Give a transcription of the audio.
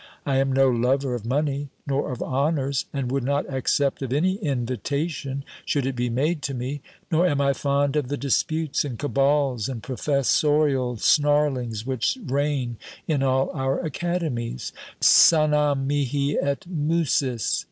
I am no lover of money, nor of honours, and would not accept of any invitation should it be made to me; nor am I fond of the disputes, and cabals, and professorial snarlings which reign in all our academies: Canam mihi et Musis."